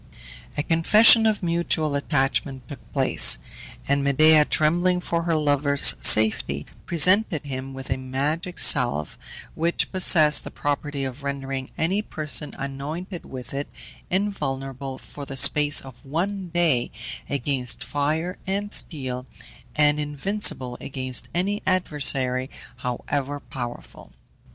A confession of mutual attachment took place, and Medea, trembling for her lover's safety, presented him with a magic salve, which possessed the property of rendering any person anointed with it invulnerable for the space of one day against fire and steel, and invincible against any adversary however powerful.